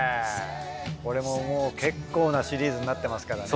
これももう結構なシリーズになってますからね。